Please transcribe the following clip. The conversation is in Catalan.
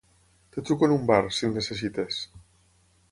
Et truco en un bar, si el necessites.